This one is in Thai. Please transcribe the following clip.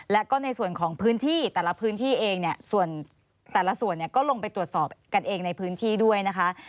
แล้วก็ในส่วนของพื้นที่แต่ละพื้นที่เองเนี่ยส่วนแต่ละส่วนเนี่ยก็ลงไปตรวจสอบกันเองในพื้นที่ด้วยนะคะ